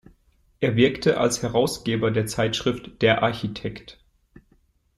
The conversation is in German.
Er wirkte als Herausgeber der Zeitschrift „Der Architekt“.